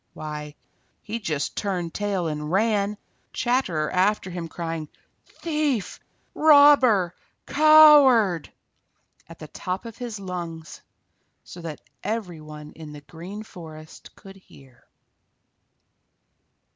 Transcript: Why, he just turned tail and ran, Chatterer after him, crying "Thief! Robber! Coward!" at the top of his lungs, so that every one in the Green Forest could hear.